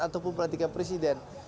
ataupun pelantikan presiden